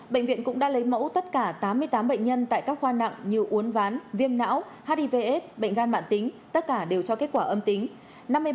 bệnh viện cũng đã lấy mẫu tất cả tám mươi tám bệnh nhân tại các khoa nặng như uốn ván viêm não hivs bệnh gan mạng tính tất cả đều cho kết quả âm tính